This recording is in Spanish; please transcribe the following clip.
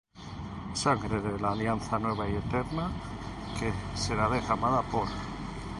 sangre de la alianza nueva y eterna, que será derramada por